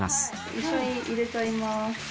一緒に入れちゃいます。